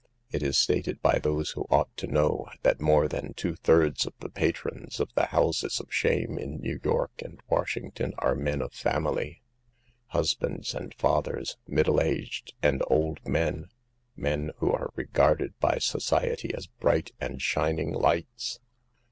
It is stated by those who ought to know, that more than two thirds of the patrons of the houses of shame in New York and Washington are men of family ; husbands and fathers, mid dle aged and old men, men who are regarded by society as bright and shining lights.